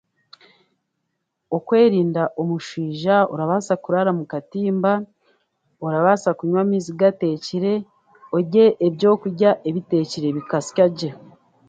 Okwerinda omushwija orabaasa kuraara mu katimba orabaasa kunywa amaizi gateekire orye egyokurya ebiteekire bikasya gye